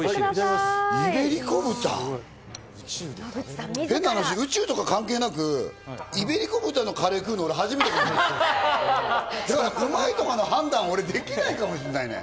変な話、宇宙とか関係なくイベリコ豚のカレー食うの俺初めてだから、うまいとかの判断、俺できないかもしれないね。